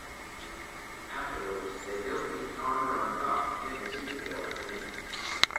Afterwards they built the armor on top and a suit to go underneath.